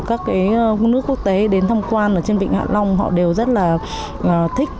các nước quốc tế đến thăm quan ở trên vịnh hạ long họ đều rất là thích